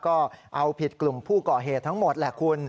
ก็เอาผิดกลุ่มผู้ก่อเหตุทั้งหมดแหละคุณ